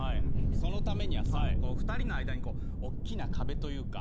そのためにはさ２人の間におっきな壁というか。